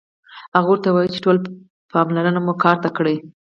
هغه ورته وايي چې ټوله پاملرنه مو کار ته کړئ